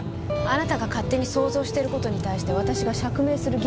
あなたが勝手に想像してる事に対して私が釈明する義務がありますか？